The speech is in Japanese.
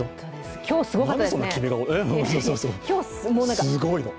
今日、すごかったですね。